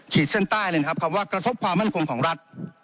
เส้นใต้เลยนะครับคำว่ากระทบความมั่นคงของรัฐ